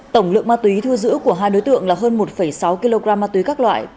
tổng lượng ma túy thu giữ của hai đối tượng là hơn một sáu kg ma túy các loại